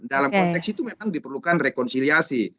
dalam konteks itu memang diperlukan rekonsiliasi